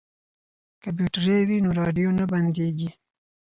که بیټرۍ وي نو راډیو نه بندیږي.